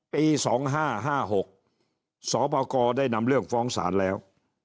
ปี๒๕๕๖สปกรได้นำเรื่องฟ้องศาลแล้ว